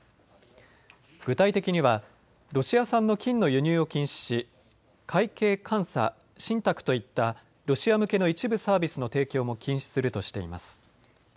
具体的にはロシア産の金の輸入を禁止し、会計・監査、信託といったロシア向けの一部サービスの提供も禁止するとしています。